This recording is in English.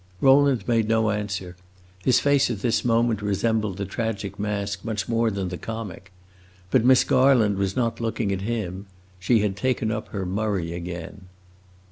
Rowland made no answer; his face at this moment resembled the tragic mask much more than the comic. But Miss Garland was not looking at him; she had taken up her Murray again.